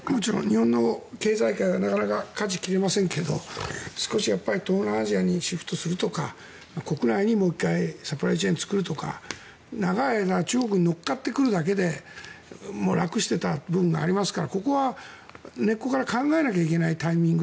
日本の経済界はなかなかかじを切れませんが少し東南アジアにシフトするとか国内にもう１回サプライチェーンを作るとか長い間中国に乗っかってくるだけで楽していた部分がありますからここは根っこから考えなきゃいけないタイミング。